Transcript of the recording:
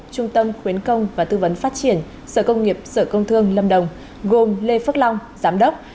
trung tâm khuyến công và tư vấn phát triển sở công nghiệp sở công thương lâm đồng gồm lê phước long giám đốc